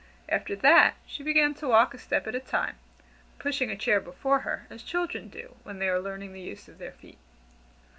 After that she began to walk a step at a time, pushing a chair before her, as children do when they are learning the use of their feet.